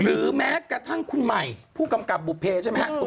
หรือแม้กระทั่งคุณมัยผู้กำกับบุเภยใช่ไหมครับ